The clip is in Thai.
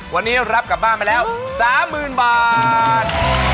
วันนี้รับกลับบ้านไปแล้ว๓๐๐๐บาท